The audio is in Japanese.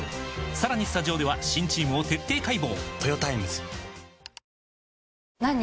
さらにスタジオでは新チームを徹底解剖！